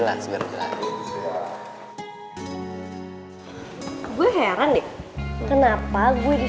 tidak ada yang bisa lagi nolok puisi